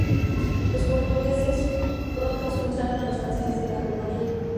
Los portugueses pronto expulsaron a los franceses de la colonia.